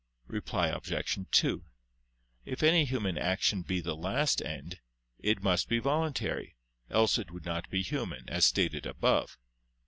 Reply Obj. 2: If any human action be the last end, it must be voluntary, else it would not be human, as stated above.